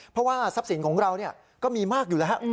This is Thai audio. เพราะว่าทรัพย์สินของเราก็มีมากอยู่แล้ว